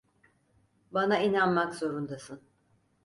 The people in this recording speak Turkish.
Bana inanmak zorundasın.